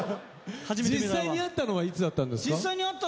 実際に会ったのはいつだったんですか？